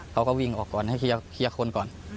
เขาก็วิ่งออกก่อนให้เคลียร์คนก่อน